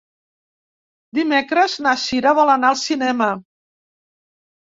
Divendres na Cira vol anar al cinema.